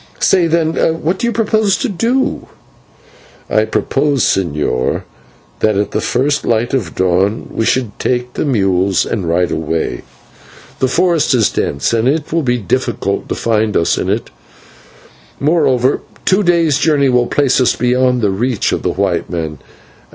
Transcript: Say, then, what do you propose to do?" "I propose, señor, that at the first light of dawn we should take the mules and ride away. The forest is dense, and it will be difficult to find us in it, moreover two days' journey will place us beyond the reach of white men.